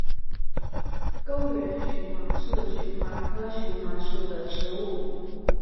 高原荨麻是荨麻科荨麻属的植物。